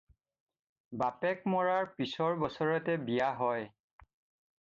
বাপেক মৰাৰ পিচৰ বছৰতে বিয়া হয়।